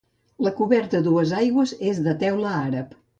La coberta a dues aigües, és de teula àrab.